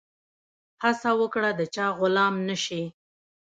هڅه وکړه د چا غلام نه سي.